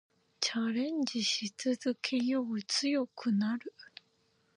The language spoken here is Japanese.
チャレンジし続けよう。強くなる。